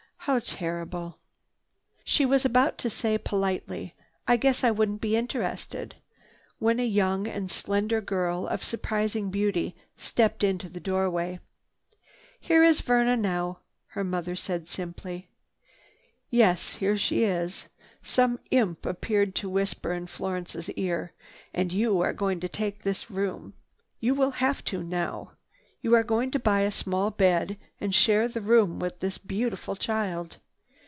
"How terrible!" She was about to say politely, "I guess I wouldn't be interested," when a young and slender girl of surprising beauty stepped into the doorway. "Here is Verna now," her mother said simply. "Yes, here she is," some imp appeared to whisper in Florence's ear, "and you are going to take this room. You will have to now. You are going to buy a small bed and share the room with this beautiful child.